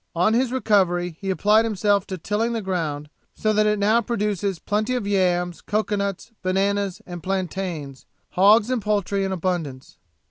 On his recovery, he applied himself to tilling the ground, so that it now produces plenty of yams, cocoa nuts, bananas, and plantains; hogs and poultry in abundance.